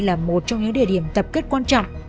là một trong những địa điểm tập kết quan trọng